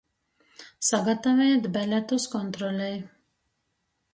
Sagatavejit beletus kontrolei!